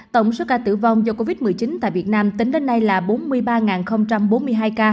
tổng số ca tử vong do covid một mươi chín tại việt nam tính đến nay là bốn mươi ba bốn mươi hai ca